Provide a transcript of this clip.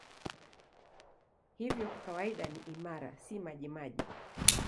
Hivyo kwa kawaida ni imara, si majimaji.